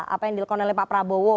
apa yang dilakukan oleh pak prabowo